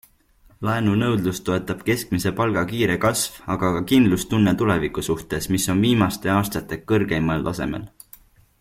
Laenunõudlust toetab keskmise palga kiire kasv, aga ka kindlustunne tuleviku suhtes, mis on viimaste aastate kõrgeimal tasemel.